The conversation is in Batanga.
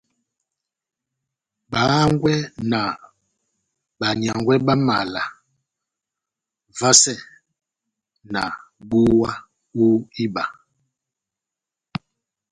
Bá hángwɛ́ na banyángwɛ bá mala vasɛ na búwa hú iba